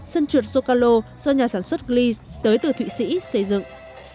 sân trượt zocalo do nhà sản xuất gliese tới từ thụy sĩ xây dựng